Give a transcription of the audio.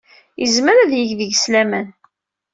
Yezmer ad yeg deg-s laman.